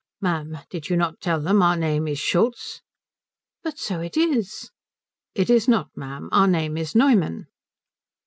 "Ma'am, did you not tell them our name is Schultz?" "But so it is." "It is not, ma'am. Our name is Neumann."